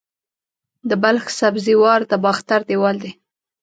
د بلخ سبزې وار د باختر دیوال دی